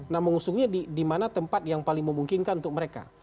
nah mengusungnya di mana tempat yang paling memungkinkan untuk mereka